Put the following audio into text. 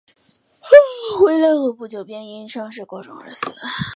回来后不久便因伤势过重而死。